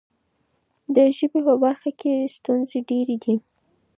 د ژبې په برخه کې ستونزې ډېرې دي.